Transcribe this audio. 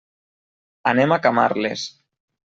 Anem a Camarles.